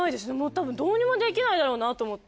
たぶんどうにもできないだろうなと思って。